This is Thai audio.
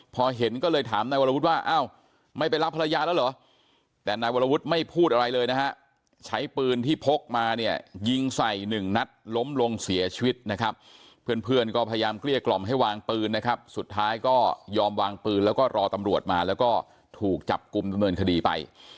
พอเห็นก็เลยถามนายวรวุฒิว่าอ้าวไม่ไปรับภรรยาแล้วเหรอแต่นายวรวุฒิไม่พูดอะไรเลยนะฮะใช้ปืนที่พกมาเนี่ยยิงใส่หนึ่งนัดล้มลงเสียชีวิตนะครับเพื่อนเพื่อนก็พยายามเกลี้ยกล่อมให้วางปืนนะครับสุดท้ายก็ยอมวางปืนแล้วก็รอตำรวจมาแล้วก็ถูกจับกลุ่มดำเนินคดีไป